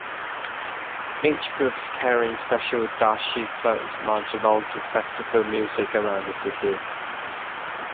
Eight groups carrying special "dashi" floats march along to festival music around the city.